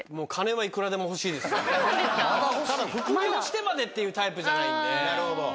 ただ副業してまでっていうタイプじゃないんで。